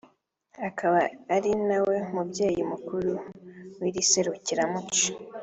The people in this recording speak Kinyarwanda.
akaba ari nawe mubyeyi mukuru w’iri serukiramuco